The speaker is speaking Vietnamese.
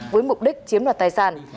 với mục đích chiếm loạt tài sản